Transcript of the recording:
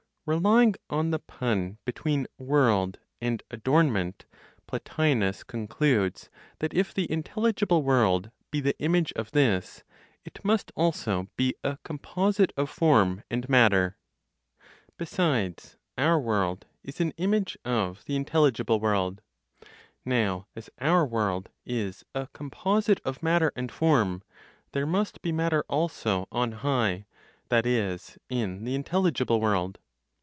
RELYING ON THE PUN BETWEEN WORLD AND ADORNMENT, PLOTINOS CONCLUDES THAT IF THE INTELLIGIBLE WORLD BE THE IMAGE OF THIS, IT MUST ALSO BE A COMPOSITE OF FORM AND MATTER. Besides, our world is an image of the intelligible world. Now as our world is a composite of matter (and form), there must be matter also on high (that is, in the intelligible world).